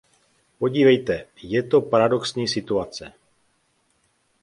Podívejte, je to paradoxní situace.